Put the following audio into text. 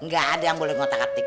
gak ada yang boleh ngotak atik